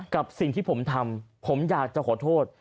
กับสิ่งที่ผมทำผมอยากจะขอโทษ